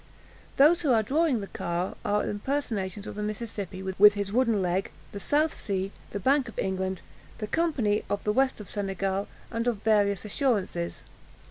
Those who are drawing the car are impersonations of the Mississippi, with his wooden leg, the South Sea, the Bank of England, the Company of the West of Senegal, and of various assurances.